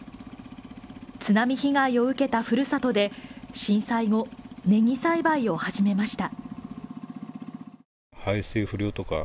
津波被害を受けたふるさとで震災後、ねぎ栽培を始めました。